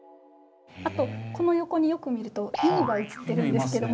あとこの横によく見ると犬が写ってるんですけども。